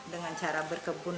dengan cara berkebun